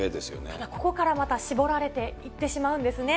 ただ、ここからまた絞られていってしまうんですね。